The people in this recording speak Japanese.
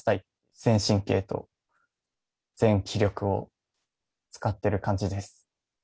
全神経と全気力を使っている感じです。